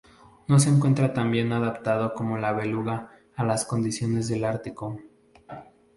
No se encuentra tan bien adaptado como la beluga a las condiciones del Ártico.